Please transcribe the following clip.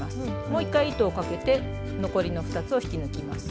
もう一回糸をかけて残りの２つを引き抜きます。